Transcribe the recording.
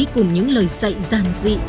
cùng những lời dạy giản dị